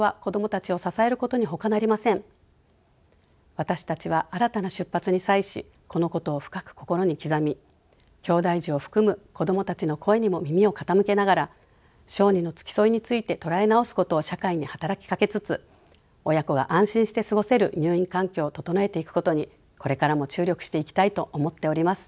私たちは新たな出発に際しこのことを深く心に刻みきょうだい児を含む子どもたちの声にも耳を傾けながら小児の付き添いについて捉え直すことを社会に働きかけつつ親子が安心して過ごせる入院環境を整えていくことにこれからも注力していきたいと思っております。